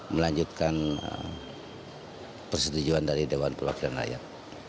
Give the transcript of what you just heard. melanjutkan persetujuan dari dewan perwakilan rakyat